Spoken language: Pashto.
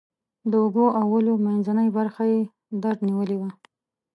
د اوږو او ولیو منځنۍ برخه یې درد نیولې وه.